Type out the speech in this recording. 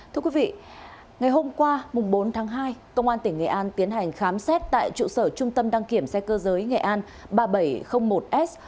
thưa quý vị ngày hôm qua bốn tháng hai công an tỉnh nghệ an tiến hành khám xét tại trụ sở trung tâm đăng kiểm xe cơ giới nghệ an ba nghìn bảy trăm linh một s